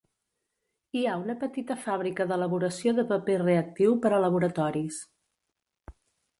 Hi ha una petita fàbrica d'elaboració de paper reactiu per a laboratoris.